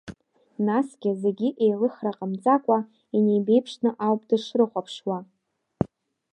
Насгьы зегьы, еилыхра ҟамҵакәа, инеибеиԥшны ауп дышрыхәаԥшуа.